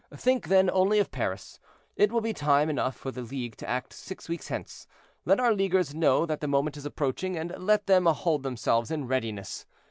"Think then only of Paris; it will be time enough for the League to act six weeks hence. Let our Leaguers know that the moment is approaching, and let them hold themselves in readiness.